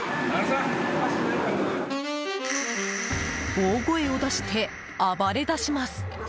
大声を出して暴れ出します。